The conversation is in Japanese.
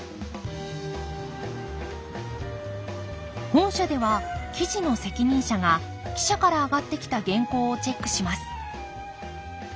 本社では記事の責任者が記者から上がってきた原稿をチェックします